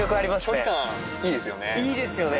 距離感、いいですよね。